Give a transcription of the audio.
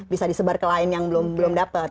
bisa disebar ke lain yang belum dapat